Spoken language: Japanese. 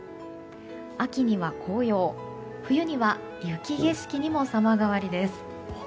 秋には紅葉、冬には雪景色にも様変わりです。